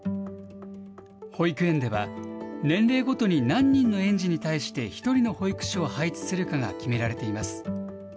保育園では年齢ごとに何人の園児に対して１人の保育士を配置するかが決められています。